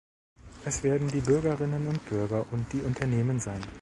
Es werden die Bürgerinnen und Bürger und die Unternehmen sein.